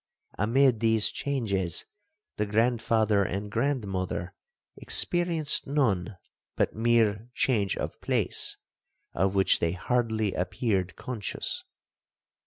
Amid these changes, the grandfather and grandmother experienced none but mere change of place, of which they hardly appeared conscious.